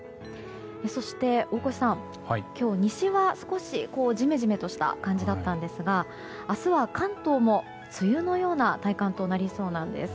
そして大越さん、今日西は少しジメジメとした感じでしたが明日は関東も梅雨のような体感となりそうなんです。